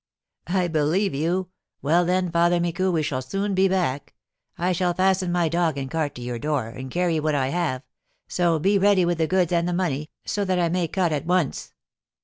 "I believe you. Well, then, Father Micou, we shall soon be back. I shall fasten my dog and cart to your door, and carry what I have; so be ready with the goods and the money, so that I may cut at once."